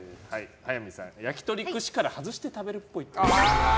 早見さん、焼き鳥串から外して食べるっぽい。